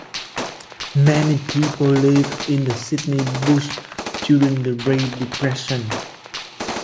Many people lived in the Sydney bush during the Great Depression.